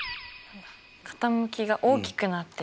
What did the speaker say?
傾きが大きくなってる。